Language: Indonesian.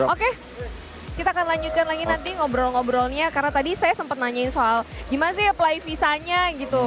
oke kita akan lanjutkan lagi nanti ngobrol ngobrolnya karena tadi saya sempat nanyain soal gimana sih apply visanya gitu